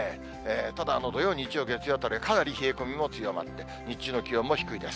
ただ土曜、日曜、月曜とかなり冷え込みも強まって、日中の気温も低いです。